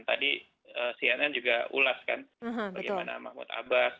tadi cnn juga ulas kan bagaimana mahmud abbas